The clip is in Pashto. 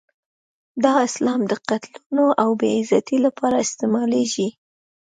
دا اسلام د قتلونو او بې عزتۍ لپاره استعمالېږي.